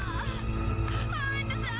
tapi ini kan cepat sekali